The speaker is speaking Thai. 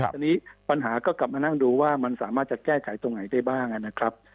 ทีนี้ปัญหาก็กลับมานั่งดูว่ามันสามารถจะแก้ไขตรงไหนได้บ้างนะครับ